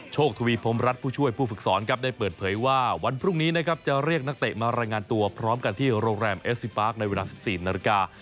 ทวีพรมรัฐผู้ช่วยผู้ฝึกสอนครับได้เปิดเผยว่าวันพรุ่งนี้นะครับจะเรียกนักเตะมารายงานตัวพร้อมกันที่โรงแรมเอสซิปาร์คในเวลา๑๔นาฬิกา